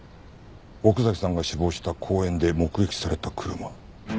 奥崎さんが死亡した公園で目撃された車。